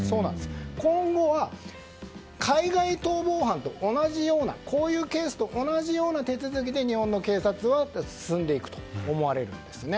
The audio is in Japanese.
今後は、海外逃亡犯と同じようなこういうケースと同じような手続きで日本の警察は進んでいくと思われるんですね